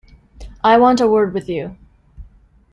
I want a word with you.